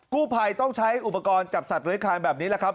กู้ภัยต้องใช้อุปกรณ์จับสัตว์คานแบบนี้แหละครับ